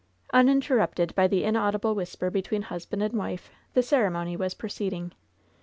Uninterrupted by the inaudible whisper between hus band and wife, the ceremony was proceeding.